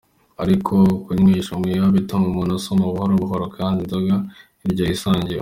Ariko kunywesha umuheha bituma umuntu asoma buhoro buhoro, kandi inzoga iryoha isangiwe.